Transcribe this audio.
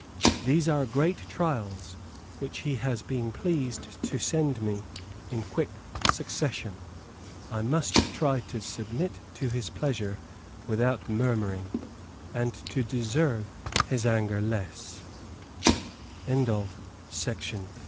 These are great trials, which he has been pleased to send me in quick succession. I must try to submit to his pleasure without murmuring, and to deserve his a